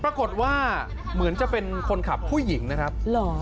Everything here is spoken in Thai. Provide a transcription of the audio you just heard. ปรากฏว่าเหมือนจะเป็นคนขับผู้หญิงนะครับเหรอ